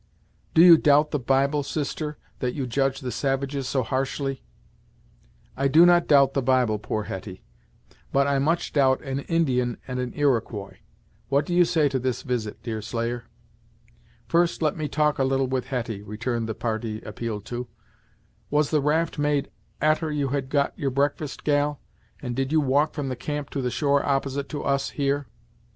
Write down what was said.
"Do you doubt the Bible, sister, that you judge the savages so harshly!" "I do not doubt the Bible, poor Hetty, but I much doubt an Indian and an Iroquois. What do you say to this visit, Deerslayer?" "First let me talk a little with Hetty," returned the party appealed to; "Was the raft made a'ter you had got your breakfast, gal, and did you walk from the camp to the shore opposite to us, here?"